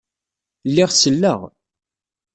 Lliɣ selleɣ.